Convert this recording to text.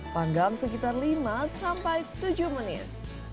panggam sekitar lima sampai tujuh menit